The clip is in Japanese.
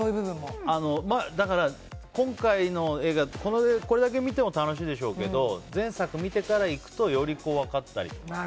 だから、今回の映画ってこれだけ見ても楽しいでしょうけど前作を見てから行くとより分かったりとか。